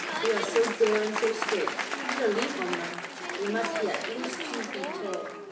'' They are so bare and so straight, not a leaf on them. They must be at least two feet tall."